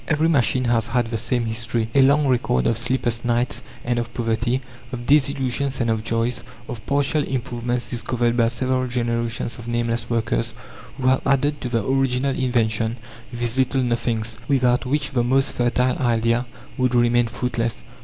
Every machine has had the same history a long record of sleepless nights and of poverty, of disillusions and of joys, of partial improvements discovered by several generations of nameless workers, who have added to the original invention these little nothings, without which the most fertile idea would remain fruitless.